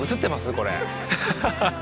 これ。